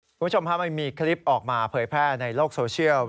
คุณผู้ชมครับมันมีคลิปออกมาเผยแพร่ในโลกโซเชียล